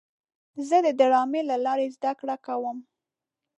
زه د ډرامې له لارې زده کړه کوم.